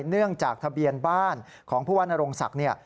เนื่องจากทะเบียนบ้านของผู้ว่านโรงศักดิ์เนี่ย